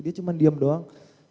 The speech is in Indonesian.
dia cuma diam doang